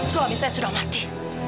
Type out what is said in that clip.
suami saya sudah mati